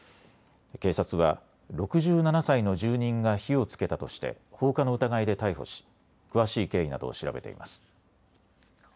警察は６７歳の住人が火をつけたとして放火の疑いで逮捕し詳しい経緯などを調べています。